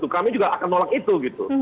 kami juga akan menolak itu